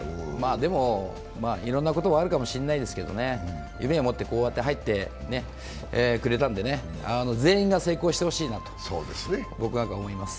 いろんなことはあるかもしれないですけど、夢を持ってこうやって入ってくれたんで全員が成功してほしいなと僕は思います。